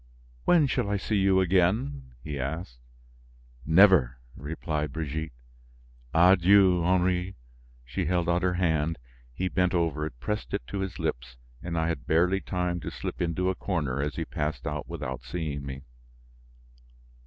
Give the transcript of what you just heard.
"When shall I see you again?" he asked. "Never," replied Brigitte; "adieu, Henry." She held out her hand. He bent over it, pressed it to his lips and I had barely time to slip into a corner as he passed out without seeing me.